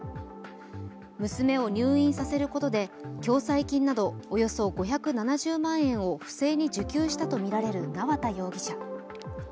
娘を入院させることで共済金などおよそ５７０万円を不正に受給したとみられる縄田容疑者。